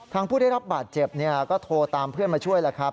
ผู้ได้รับบาดเจ็บก็โทรตามเพื่อนมาช่วยแล้วครับ